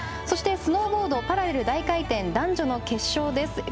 そして、スノーボードパラレル大回転男女の決勝です。